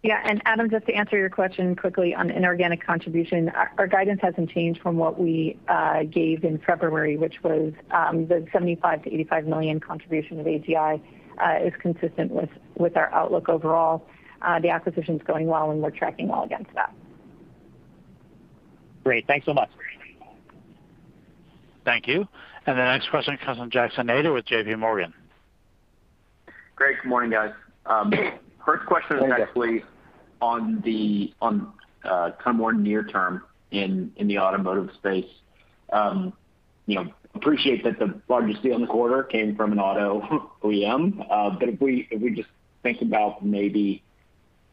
Yeah. Adam, just to answer your question quickly on inorganic contribution, our guidance hasn't changed from what we gave in February, which was the $75 million to $85 million contribution of AGI is consistent with our outlook overall. The acquisition's going well, and we're tracking well against that. Great. Thanks so much. Thank you. The next question comes from Jackson Ader with J.P. Morgan. Great. Good morning, guys. First question is actually on kind of more near term in the automotive space. Appreciate that the largest deal in the quarter came from an auto OEM. If we just think about maybe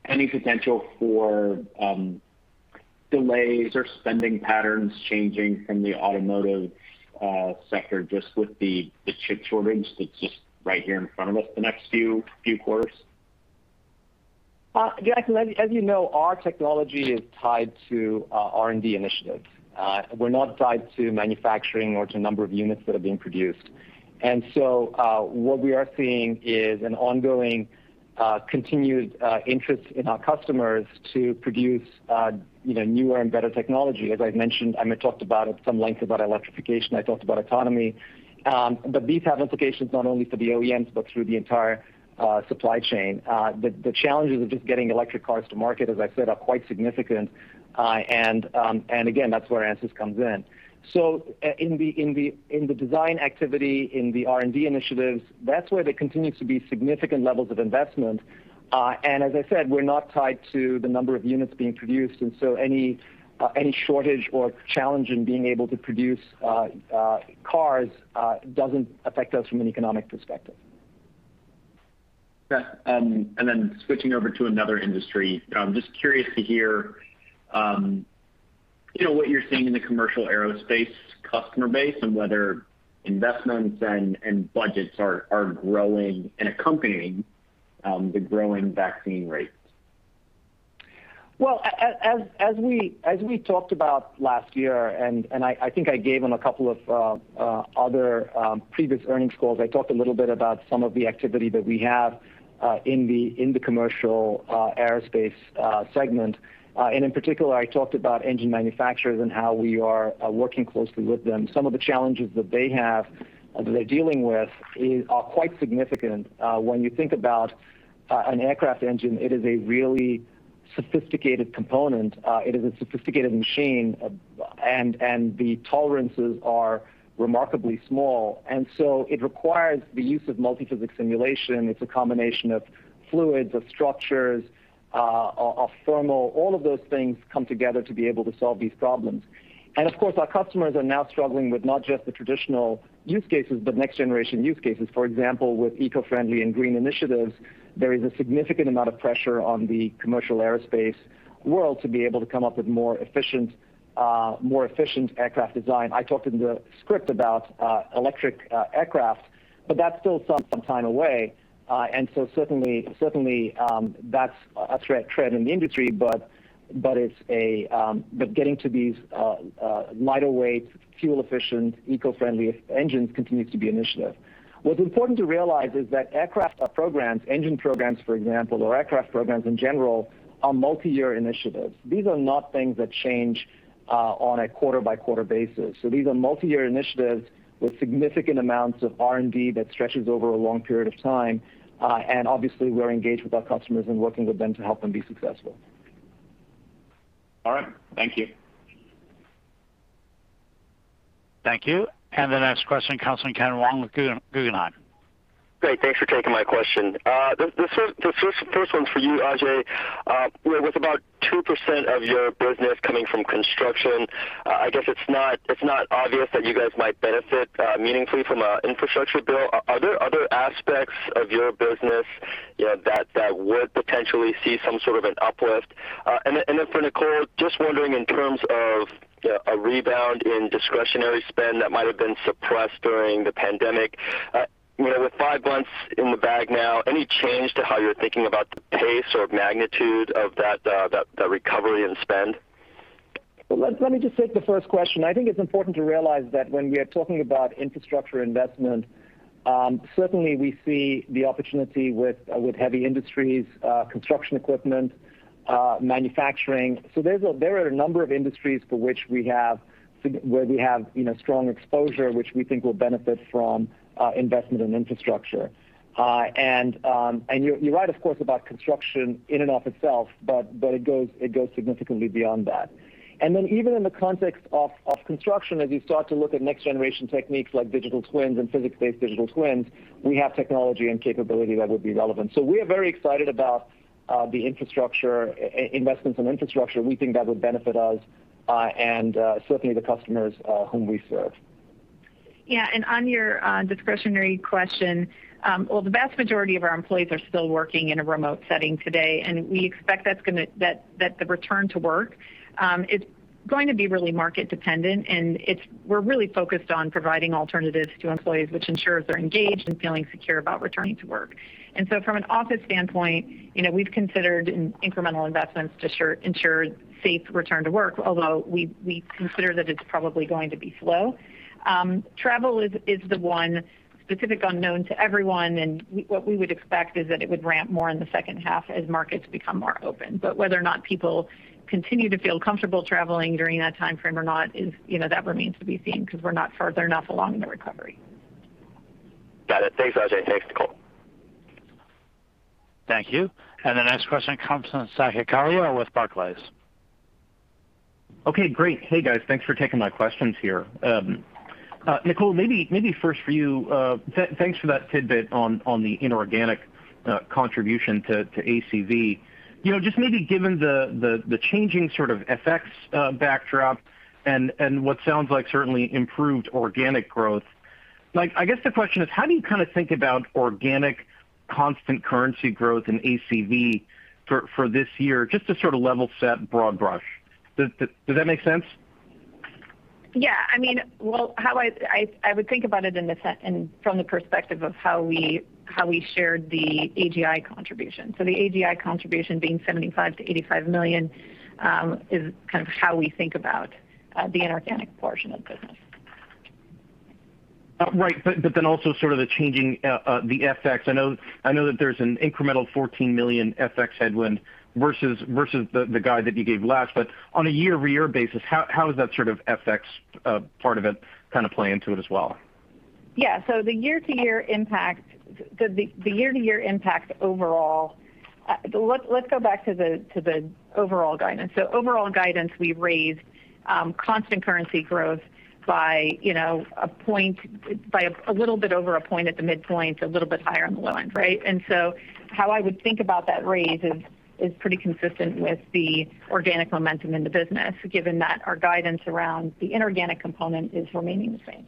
any potential for delays or spending patterns changing from the automotive sector, just with the chip shortage that's just right here in front of us the next few quarters. Jackson, as you know, our technology is tied to R&D initiatives. We're not tied to manufacturing or to number of units that are being produced. What we are seeing is an ongoing, continued interest in our customers to produce newer and better technology. As I mentioned, I talked about at some length about electrification, I talked about autonomy. These have implications not only for the OEMs, but through the entire supply chain. The challenges of just getting electric cars to market, as I said, are quite significant. Again, that's where Ansys comes in. In the design activity, in the R&D initiatives, that's where there continues to be significant levels of investment. As I said, we're not tied to the number of units being produced, any shortage or challenge in being able to produce cars doesn't affect us from an economic perspective. Okay. Switching over to another industry. Just curious to hear what you're seeing in the commercial aerospace customer base and whether investments and budgets are growing and accompanying the growing vaccine rates. Well, as we talked about last year, and I think I gave on a couple of other previous earnings calls, I talked a little bit about some of the activity that we have in the commercial aerospace segment. In particular, I talked about engine manufacturers and how we are working closely with them. Some of the challenges that they have, that they're dealing with, are quite significant. When you think about an aircraft engine, it is a really sophisticated component. It is a sophisticated machine. The tolerances are remarkably small. It requires the use of multiphysics simulation. It's a combination of fluids, of structures, of thermal. All of those things come together to be able to solve these problems. Of course, our customers are now struggling with not just the traditional use cases, but next generation use cases. For example, with eco-friendly and green initiatives, there is a significant amount of pressure on the commercial aerospace world to be able to come up with more efficient aircraft design. I talked in the script about electric aircraft, but that's still some time away. Certainly, that's a thread in the industry, but getting to these lighter weight, fuel efficient, eco-friendly engines continues to be initiative. What's important to realize is that aircraft programs, engine programs, for example, or aircraft programs in general, are multi-year initiatives. These are not things that change on a quarter-by-quarter basis. These are multi-year initiatives with significant amounts of R&D that stretches over a long period of time. Obviously, we're engaged with our customers and working with them to help them be successful. All right. Thank you. Thank you. The next question comes from Ken Wong with Guggenheim. Great. Thanks for taking my question. The first one's for you, Ajei. With about 2% of your business coming from construction, I guess it's not obvious that you guys might benefit meaningfully from an infrastructure bill. Are there other aspects of your business that would potentially see some sort of an uplift? For Nicole, just wondering in terms of a rebound in discretionary spend that might have been suppressed during the pandemic, with five months in the bag now, any change to how you're thinking about the pace or magnitude of that recovery and spend? Well, let me just take the first question. I think it's important to realize that when we are talking about infrastructure investment, certainly we see the opportunity with heavy industries, construction equipment, manufacturing. There are a number of industries where we have strong exposure, which we think will benefit from investment in infrastructure. You're right of course about construction in and of itself, but it goes significantly beyond that. Even in the context of construction, as you start to look at next generation techniques like digital twins and physics-based digital twins, we have technology and capability that would be relevant. We are very excited about investments in infrastructure. We think that would benefit us, and certainly the customers whom we serve. Yeah, on your discretionary question, well, the vast majority of our employees are still working in a remote setting today. We expect that the return to work, it's going to be really market dependent. We're really focused on providing alternatives to employees which ensures they're engaged and feeling secure about returning to work. From an office standpoint, we've considered incremental investments to ensure safe return to work, although we consider that it's probably going to be slow. Travel is the one specific unknown to everyone. What we would expect is that it would ramp more in the second half as markets become more open. Whether or not people continue to feel comfortable traveling during that time frame or not, that remains to be seen because we're not further enough along in the recovery. Got it. Thanks, Ajei. Thanks, Nicole. Thank you. The next question comes from Saket Kalia with Barclays. Okay, great. Hey, guys. Thanks for taking my questions here. Nicole, maybe first for you, thanks for that tidbit on the inorganic contribution to ACV. Just maybe given the changing sort of FX backdrop and what sounds like certainly improved organic growth, I guess the question is how do you kind of think about organic constant currency growth in ACV for this year, just to sort of level set broad brush? Does that make sense? Yeah. I would think about it from the perspective of how we shared the AGI contribution. The AGI contribution being $75 million to $85 million is how we think about the inorganic portion of the business. Right. Also sort of the changing the FX. I know that there's an incremental $14 million FX headwind versus the guide that you gave last, but on a year-over-year basis, how is that sort of FX part of it play into it as well? Yeah. Let's go back to the overall guidance. Overall guidance, we raised constant currency growth by a little bit over a point at the midpoint, a little bit higher on the low end, right? How I would think about that raise is pretty consistent with the organic momentum in the business, given that our guidance around the inorganic component is remaining the same.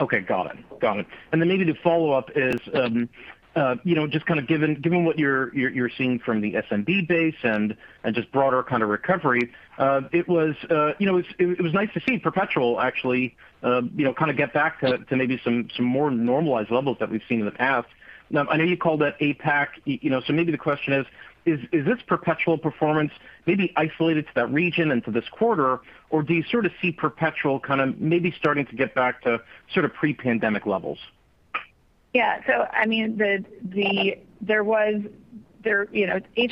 Okay. Got it. Maybe the follow-up is, just given what you're seeing from the SMB base and just broader recovery. It was nice to see perpetual actually get back to maybe some more normalized levels that we've seen in the past. I know you called that APAC, so maybe the question is this perpetual performance maybe isolated to that region and to this quarter? Do you sort of see perpetual maybe starting to get back to pre-pandemic levels? Asia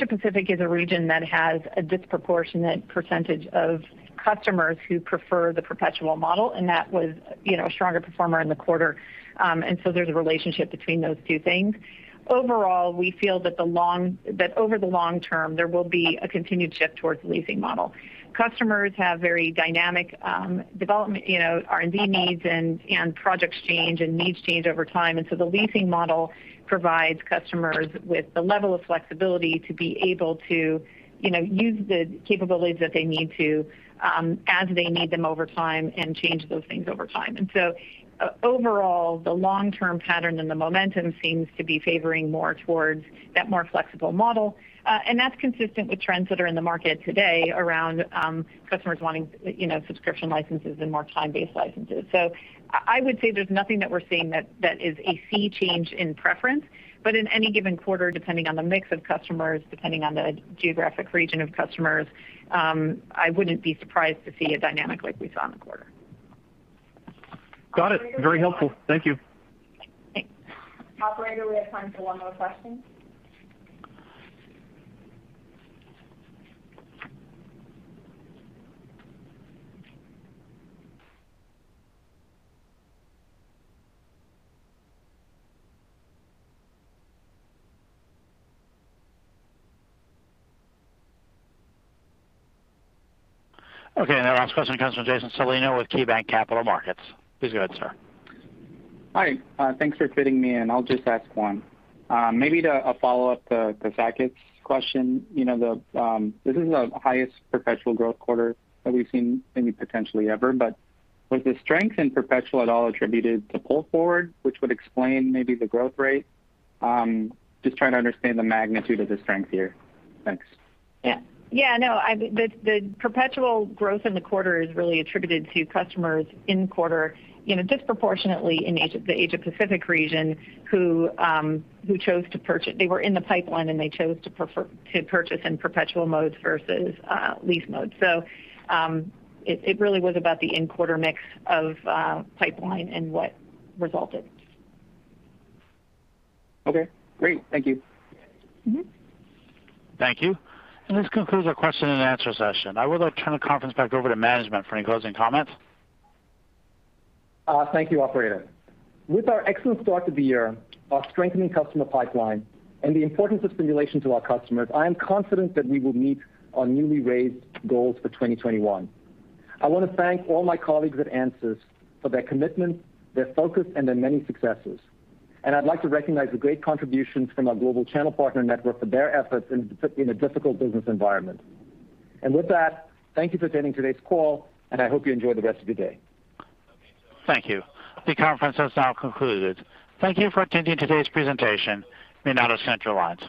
Pacific is a region that has a disproportionate percentage of customers who prefer the perpetual model, and that was a stronger performer in the quarter. There's a relationship between those two things. Overall, we feel that over the long term, there will be a continued shift towards the leasing model. Customers have very dynamic R&D needs, and projects change, and needs change over time. The leasing model provides customers with the level of flexibility to be able to use the capabilities that they need to, as they need them over time, and change those things over time. Overall, the long-term pattern and the momentum seems to be favoring more towards that more flexible model. That's consistent with trends that are in the market today around customers wanting subscription licenses and more cloud-based licenses. I would say there's nothing that we're seeing that is a sea change in preference, but in any given quarter, depending on the mix of customers, depending on the geographic region of customers, I wouldn't be surprised to see a dynamic like we saw in the quarter. Got it. Very helpful. Thank you. Thanks. Operator, we have time for one more question. Okay, our last question comes from Jason Celino with KeyBanc Capital Markets. Please go ahead, sir. Hi, thanks for fitting me in. I'll just ask one. Maybe to follow up to Saket's question. This is the highest perpetual growth quarter that we've seen maybe potentially ever, but was the strength in perpetual at all attributed to pull forward, which would explain maybe the growth rate? Just trying to understand the magnitude of the strength here. Thanks. Yeah. No, the perpetual growth in the quarter is really attributed to customers in the quarter, disproportionately in the Asia Pacific region, they were in the pipeline, and they chose to purchase in perpetual modes versus lease modes. It really was about the in-quarter mix of pipeline and what resulted. Okay, great. Thank you. Thank you. This concludes our question-and-answer session. I would now turn the conference back over to management for any closing comments. Thank you, operator. With our excellent start to the year, our strengthening customer pipeline, and the importance of simulation to our customers, I am confident that we will meet our newly raised goals for 2021. I want to thank all my colleagues at Ansys for their commitment, their focus, and their many successes. I'd like to recognize the great contributions from our global channel partner network for their efforts in a difficult business environment. With that, thank you for attending today's call, and I hope you enjoy the rest of your day. Thank you. The conference has now concluded. Thank you for attending today's presentation. We now disconnect your lines.